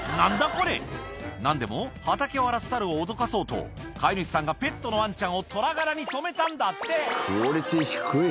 これ何でも畑を荒らすサルを脅かそうと飼い主さんがペットのワンちゃんをトラ柄に染めたんだってクオリティー低い。